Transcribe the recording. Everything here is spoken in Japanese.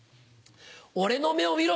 俺の目を見ろ！